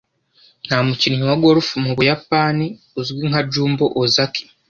Nta mukinnyi wa golf mu Buyapani uzwi nka Jumbo Ozaki.